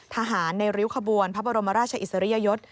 ทหารในริ้วขบวนพระบรมราชอิสริยยศ